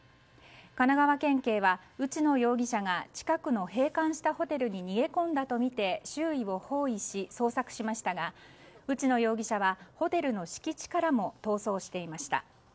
神奈川県警は内野容疑者が近くの閉館したホテルに逃げ込んだとみて周囲を包囲し捜索しましたが、内野容疑者はホテルの敷地からも逃走していました。